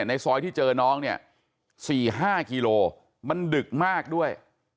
ในซอยที่เจอน้องเนี่ย๔๕กิโลมันดึกมากด้วย